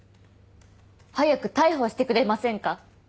早く逮捕してくれませんか？